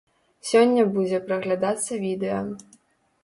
Сёння будзе праглядацца відэа.